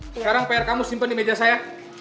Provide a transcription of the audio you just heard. sekarang pr kamu simpan di meja saya